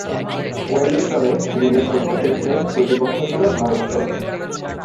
ওয়েলিংটনে সিরিজের প্রথম টেস্টে প্রতিপক্ষ ছিল ভারত দল।